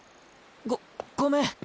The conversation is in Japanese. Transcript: ごごめん